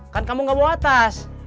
kan kamu gak bawa atas